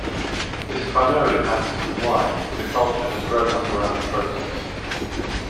This primarily happens with wine and a culture has grown up around the process.